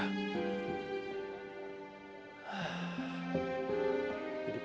tapi ibu juga suka sama ibu